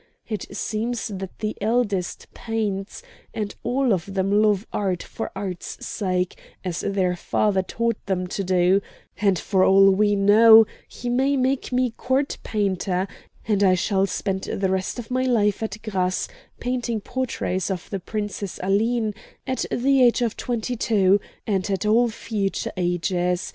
It seems that the eldest paints, and all of them love art for art's sake, as their father taught them to do; and, for all we know, he may make me court painter, and I shall spend the rest of my life at Grasse painting portraits of the Princess Aline, at the age of twenty two, and at all future ages.